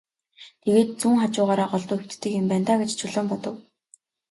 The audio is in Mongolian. Тэгээд зүүн хажуугаараа голдуу хэвтдэг юм байна даа гэж Чулуун бодов.